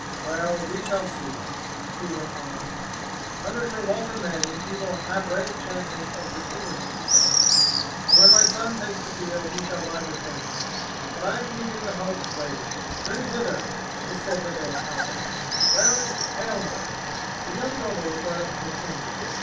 "Well, we shall see," he went on. "Under Sir Walter Manny he will have brave chances of distinguishing himself, and when my son takes the field he shall ride with him. But I am keeping the hosts waiting. Bring hither," he said to Earl Talbot, "Clarence Aylmer." The young noble was led up to the king.